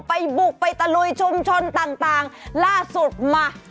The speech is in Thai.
ไปบุกไปตะลุยชุมชนต่างต่างล่าสุดมา